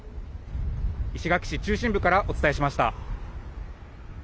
石垣市中心部からお伝えしました。